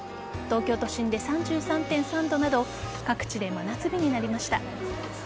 東京都心で３３．３度など各地で真夏日になりました。